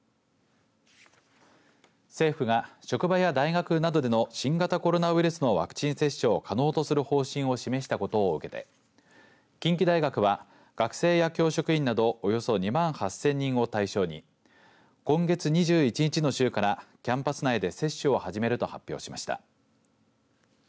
政府が、職場や大学などでの新型コロナウイルスのワクチン接種を可能とする方針を示したことを受けて近畿大学は学生や教職員などおよそ２万８０００人を対象に今月２１日の週からキャンパス内で接種を始めると発表しました。